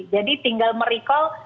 jadi tinggal merecall